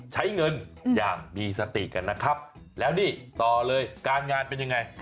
ใช้เงินอย่างมีสติกันนะครับแล้วนี่ต่อเลยการงานเป็นยังไง